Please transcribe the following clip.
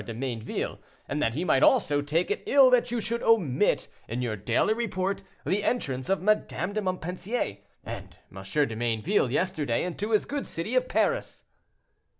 de Mayneville; and that he might also take it ill that you should omit in your daily report the entrance of Madame de Montpensier and M. de Mayneville, yesterday, into his good city of Paris."